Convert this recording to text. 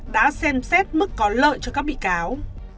đã xem xét mức có lợi cho các bị cáo